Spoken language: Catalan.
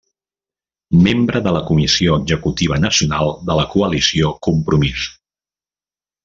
Membre de la Comissió Executiva Nacional de la Coalició Compromís.